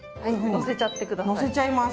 載せちゃってください。